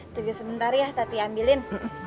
tunggu sebentar ya tati ambilin